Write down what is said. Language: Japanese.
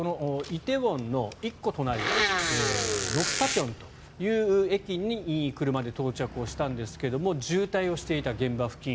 梨泰院の１個隣緑莎坪という駅に車で到着したんですが渋滞をしていた、現場付近。